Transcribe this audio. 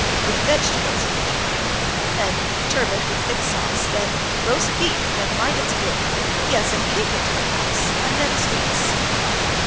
"With vegetables in it, you know. Then turbot with thick sauce, then ... roast beef; and mind it's good. Yes, and capons, perhaps, and then sweets."